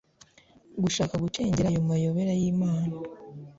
gushaka gucengera ayo mayobera yimana